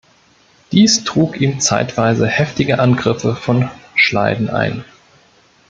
Dies trug ihm zeitweise heftige Angriffe von Schleiden ein.